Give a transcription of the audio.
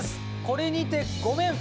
これにてごめん。